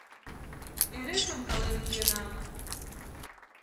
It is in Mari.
Эре шонкален киенам.